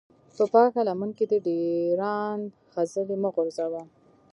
په پاکه لمن کې دې د ډېران خځلې مه غورځوه.